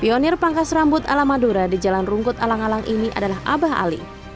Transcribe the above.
pionir pangkas rambut ala madura di jalan rungkut alang alang ini adalah abah ali